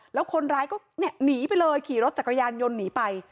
แล้วคนร้ายก็หนีไปเลยขี่รถจักรยานยนต์หนีไป